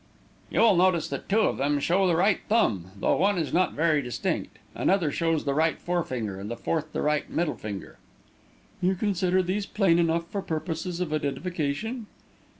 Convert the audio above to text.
"You will notice that two of them show the right thumb, though one is not very distinct; another shows the right fore finger, and the fourth the right middle finger." "You consider these plain enough for purposes of identification?"